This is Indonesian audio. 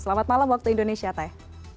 selamat malam waktu indonesia teh